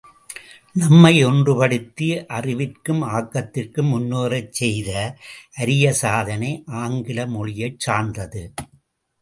நம்மை ஒன்றுபடுத்தி அறிவிற்கும் ஆக்கத்திற்கும் முன்னேறச் செய்த அரிய சாதனை ஆங்கில மொழியைச் சார்ந்தது.